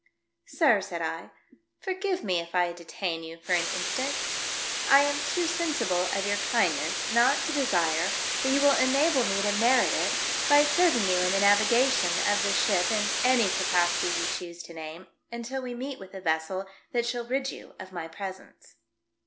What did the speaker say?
"Sir," said I, "forgive me if I detain you for an instant. I am too sensible of your kindness not to desire that you will enable me to merit it by serving you in the navi gation of this ship in any capacity you choose to name, until we meet with a vessel that shall rid you of my presence."